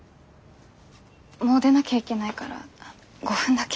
もう出なきゃいけないから５分だけ。